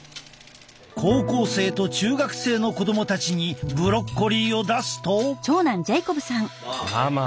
高校生と中学生の子供たちにブロッコリーを出すと。